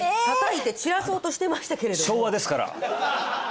叩いて散らそうとしてましたけれどね